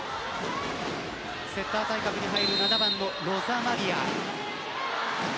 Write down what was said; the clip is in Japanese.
セッター、対角に入る７番のロザマリア。